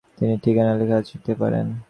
তিনি ঠিকানায় লেখা হস্তাক্ষর তখুনি চিনতে পারলেন।